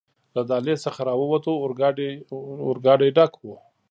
له دهلېز څخه راووتو، اورګاډی ډک و.